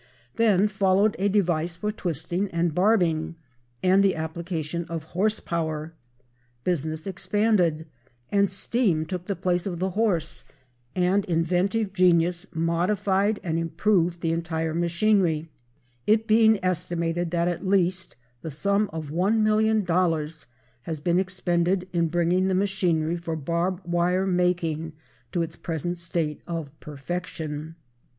Then followed a device for twisting and barbing, and the application of horse power. Business expanded, and steam took the place of the horse, and inventive genius modified and improved the entire machinery, it being estimated that at least the sum of $1,000,000 has been expended in bringing the machinery for barb wire making to its present state of perfection.